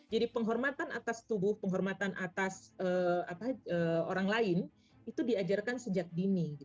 jadi penghormatan atas tubuh penghormatan atas orang lain itu diajarkan sejak dini